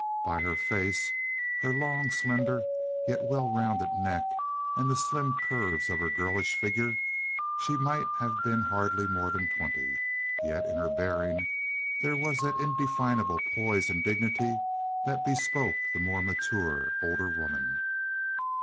By her face, her long, slender, yet well rounded neck, and the slim curves of her girlish figure, she might have been hardly more than twenty. Yet in her bearing there was that indefinable poise and dignity that bespoke the more mature, older woman.